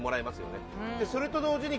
それと同時に。